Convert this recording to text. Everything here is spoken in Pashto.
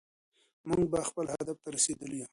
موږ به خپل هدف ته رسېدلي يو.